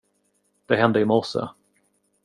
Det hände i morse.